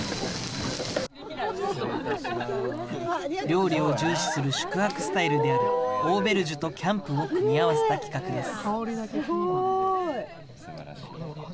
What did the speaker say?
料理を重視する宿泊スタイルであるオーベルジュとキャンプを組み合わせた企画です。